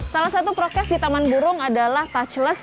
salah satu prokes di taman burung adalah touchless